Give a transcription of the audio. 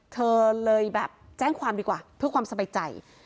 เธอเลยแบบแจ้งความดีกว่าเพื่อความสบายใจ